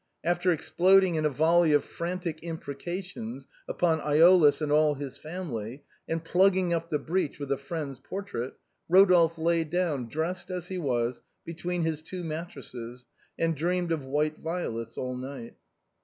After exploding in a volley of frantic imprecations upon Eolus and all his family, and plugging up the breach with a friend's portrait, Eodolphe lay down, dressed as he was, between his two mattresses, and dreamed of white violets all night.